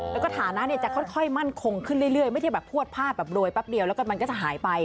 แล้วก็ฐานะเนี่ยจะค่อยมั่นคงขึ้นเรื่อยไม่ได้แบบพวดพลาดแบบรวยแป๊บเดียวแล้วก็มันก็จะหายไป